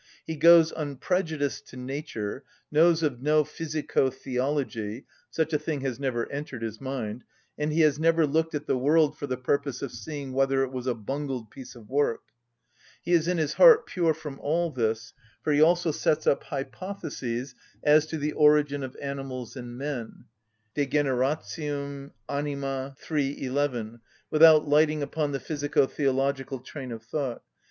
He goes unprejudiced to nature, knows of no physico‐theology—such a thing has never entered his mind,—and he has never looked at the world for the purpose of seeing whether it was a bungled piece of work. He is in his heart pure from all this, for he also sets up hypotheses as to the origin of animals and men (De generat. anim., iii. 11) without lighting upon the physico‐ theological train of thought.